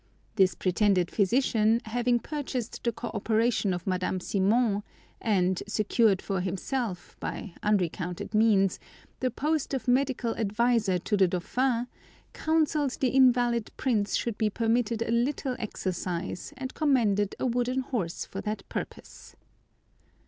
This pretended physician, having purchased the co operation of Madame Simon, and secured for himself, by unrecounted means, the post of medical adviser to the dauphin, counselled the invalid prince should be permitted a little exercise, and recommended a wooden horse for that purpose.